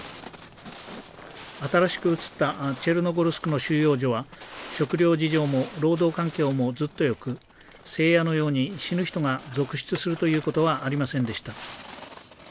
新しく移ったチェルノゴルスクの収容所は食料事情も労働環境もずっとよくセーヤのように死ぬ人が続出するということはありませんでした。